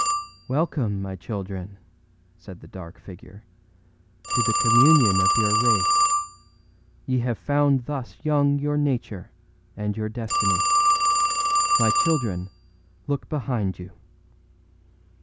âWelcome, my children,â said the dark figure, âto the communion of your race. Ye have found thus young your nature and your destiny. My children, look behind you!